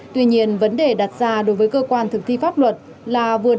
tuy nhiên vấn đề đặt ra đối với cơ quan thực thi pháp luật là vừa đảm bảo các quy định